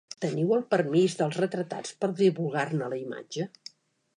Teniu el permís dels retratats per divulgar-ne la imatge?